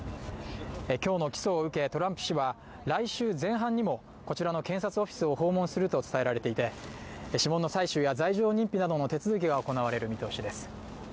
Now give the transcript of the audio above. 今日の起訴を受けトランプ氏は来週前半にもこちらの検察オフィスを訪問すると伝えられていて指紋の採取や罪状認否などの手続きが行われる見通しです。